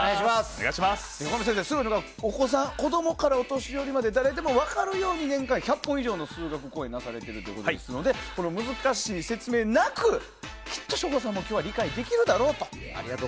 子供からお年寄りまで誰でもわかるように年間１００本以上の数学講演をなさっているということですので難しい説明なくきっと省吾さんも今日は理解できるだろうと。